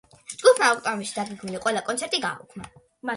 ჯგუფმა ოქტომბერში დაგეგმილი ყველა კონცერტი გააუქმა.